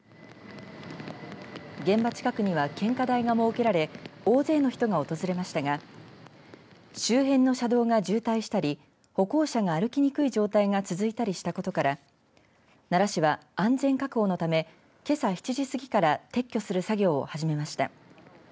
現場近くには献花台が設けられ大勢の人が訪れましたが周辺の車道が渋滞したり歩行者が歩きにくい状態が続いたりしたことから奈良市は安全確保のためけさ７時過ぎから撤去する作業を始めました。